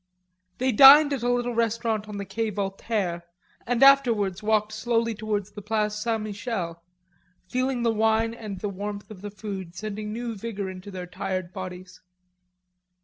They dined at a little restaurant on the Quai Voltaire and afterwards walked slowly towards the Place St. Michel, feeling the wine and the warmth of the food sending new vigor into their tired bodies.